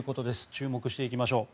注目していきましょう。